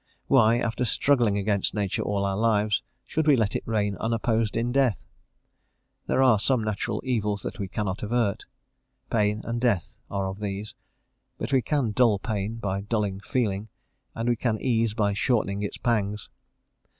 why, after struggling against nature all our lives, should we let it reign unopposed in death? There are some natural evils that we cannot avert. Pain and death are of these; but we can dull pain by dulling feeling, and we can ease by shortening its pangs.